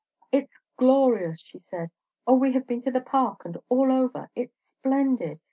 "It's glorious!" she said. "O, we have been to the Park and all over. It's splendid!